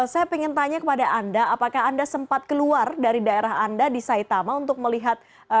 saya ingin tanya kepada anda apakah anda sempat keluar dari daerah anda di saitama untuk melihat